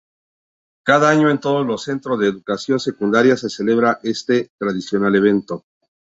Cada año, en todos los centros de educación secundaria se celebra este tradicional evento.